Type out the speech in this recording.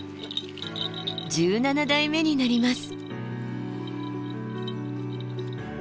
１７代目になります。